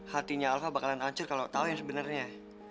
hatinya alva bakalan hancur kalau tau yang sebenarnya